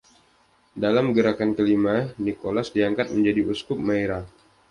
Dalam gerakan kelima, Nicolas diangkat menjadi Uskup Myra.